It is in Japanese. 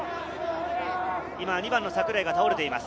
２番の櫻井が倒れています。